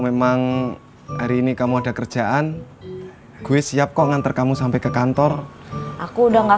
memang hari ini kamu ada kerjaan gue siap kok ngantar kamu sampai ke kantor aku udah gak